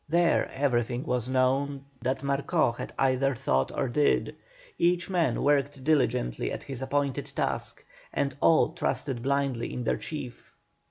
There everything was known that Marcó either thought or did, each man worked diligently at his appointed task, and all trusted blindly in their chief.